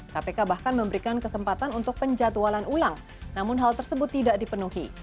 kpk bahkan memberikan kesempatan untuk penjatualan ulang namun hal tersebut tidak dipenuhi